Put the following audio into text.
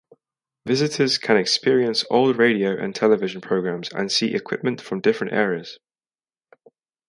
Visitors can experience old radio and television programmes and see equipment of different eras.